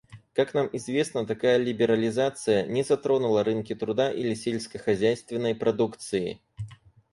Как нам известно, такая либерализация не затронула рынки труда или сельскохозяйственной продукции.